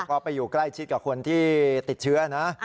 ก็ไปอยู่ใกล้ชิดกับคนที่ติดเชื้อนะ